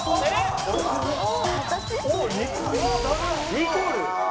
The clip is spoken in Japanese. ニコル。